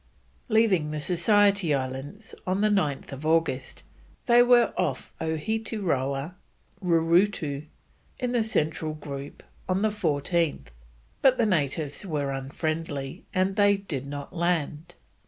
Leaving the Society Islands on 9th August, they were off Ohetiroa (Rurutu), in the Central Group, on the 14th, but the natives were unfriendly, and they did not land.